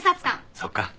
そっか。